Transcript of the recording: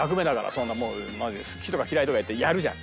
そんなもう好きとか嫌いとかやるじゃん。